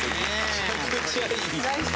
めちゃくちゃいい。